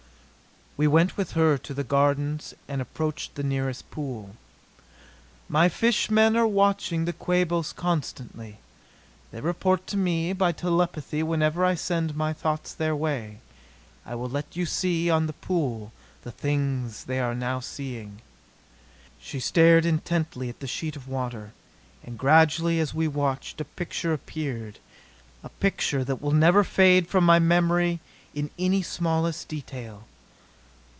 We went with her to the gardens and approached the nearest pool. "My fish men are watching the Quabos constantly. They report to me by telepathy whenever I send my thoughts their way. I will let you see, on the pool, the things they are now seeing." She stared intently at the sheet of water. And gradually, as we watched, a picture appeared a picture that will never fade from my memory in any smallest detail.